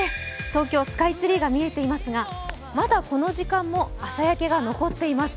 東京スカイツリーが見えていますが、まだこの時間も朝焼けが残っています。